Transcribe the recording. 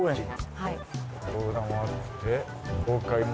はい。